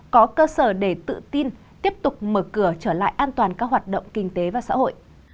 có cơ sở để tự tin tiếp tục mở cửa trở lại an toàn các hoạt động kinh tế và xã hội